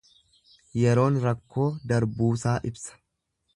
Yeroon rakkoo darbuusaa ibsa.